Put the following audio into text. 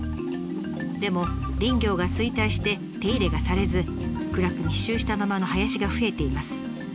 でも林業が衰退して手入れがされず暗く密集したままの林が増えています。